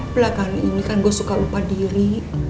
belakang ini kan gue suka lupa diri